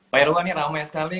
pak irwan ini ramai sekali